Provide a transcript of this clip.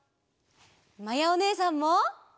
まやおねえさんも。